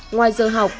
ngoài giờ học